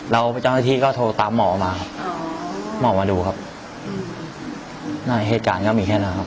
เราจ้างหน้าที่ก็โทรตามหมอมาหมอมาดูครับอืมน่าเหตุการณ์ก็มีแค่นั้นครับ